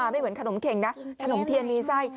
ไม่เหมือนขนมเข็งนะขนมเทียนมีไส้